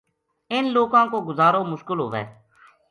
اِن لوکاں کو گُزارو مشکل ہوئے